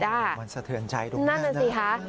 มันสะเทือนใจทุกนั้นนั่นสิค่ะ